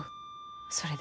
それで。